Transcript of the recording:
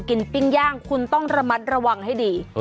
ปิ้งย่างคุณต้องระมัดระวังให้ดี